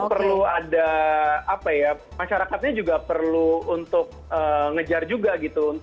perlu ada apa ya masyarakatnya juga perlu untuk ngejar juga gitu